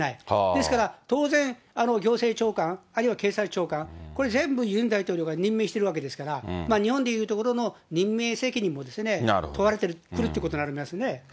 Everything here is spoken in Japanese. ですから、当然、行政長官、あるいは警察長官、これ全部ユン大統領が任命してるわけですから、日本でいうところの、任命責任が問われてくるっていうことになりますね。